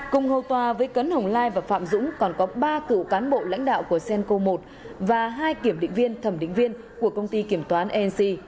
cùng hầu tòa với cấn hồng lai và phạm dũng còn có ba cựu cán bộ lãnh đạo của cenco một và hai kiểm định viên thẩm định viên của công ty kiểm toán nc